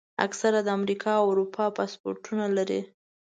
اکثره د امریکا او اروپا پاسپورټونه لري.